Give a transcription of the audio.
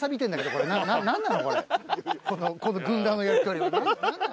この軍団のやりとりは。